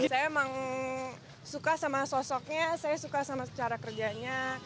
saya emang suka sama sosoknya saya suka sama cara kerjanya